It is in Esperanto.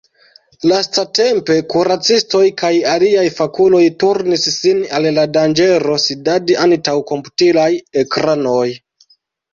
Lastatempe kuracistoj kaj aliaj fakuloj turnis sin al la danĝero sidadi antaŭ komputilaj ekranoj.